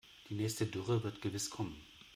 Die nächste Dürre wird gewiss kommen.